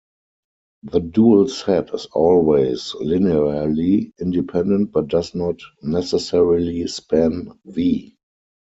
The dual set is always linearly independent but does not necessarily span "V".